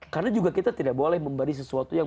karena juga kita tidak boleh memberi sesuatu yang